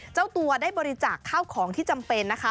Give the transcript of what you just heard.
เจ้าตัวได้บริจาคข้าวของที่จำเป็นนะคะ